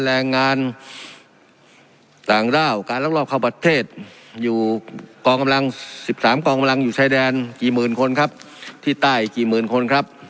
แรงงานต่างด้าวการลักลอบเข้าประเทศอยู่กองกำลัง๑๓กองกำลังอยู่ชายแดนกี่หมื่นคนครับที่ใต้กี่หมื่นคนครับ